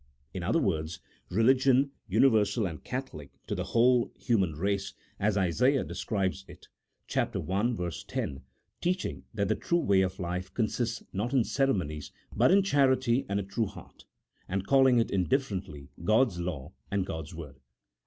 in other words, religion, universal and catholic to the whole human race, as Isaiah describes it (chap. i. 10), teaching that the true way of life consists, not in ceremonies, but in charity, and a true heart, and calling it indifferently God's Law and God's Word.